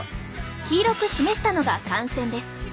黄色く示したのが汗腺です。